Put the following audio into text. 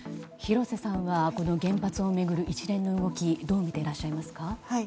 廣瀬さんは原発を巡る一連の動きをどう見ていらっしゃいますか。